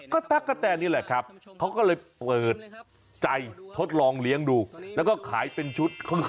ก็ตั๊กกะแตนนี่แหละครับเขาก็เลยเปิดใจทดลองเลี้ยงดูแล้วก็ขายเป็นชุด